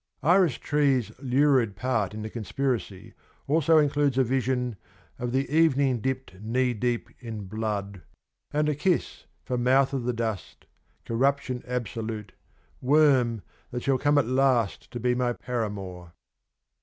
Iris Tree's lurid part in the conspiracy also includes a vision of ' the evening dipped knee deep in blood,' and a kiss for Mouth of the dust ... corruption absolute, Worm, that shall come at last to be my paramour.